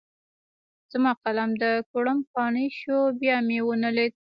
زما قلم د کوړم کاڼی شو؛ بيا مې و نه ليد.